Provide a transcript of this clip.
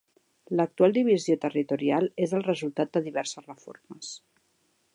L'actual divisió territorial és el resultat de diverses reformes.